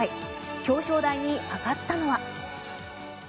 表彰台に上がったのは。